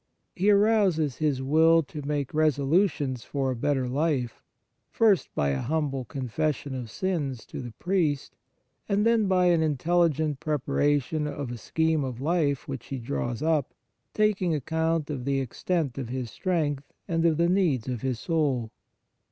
He arouses his will to make resolutions for a better life, first by a humble confession of sins to the priest, and then by an intelligent preparation of a scheme of life which he draws up, taking account of the extent of his strength and of the needs of his soul.